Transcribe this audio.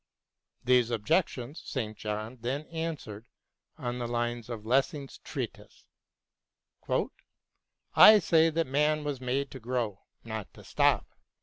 These objections St. John then answers on the lines of Lessing's treatise :" I say that man was made to grow, not to stop."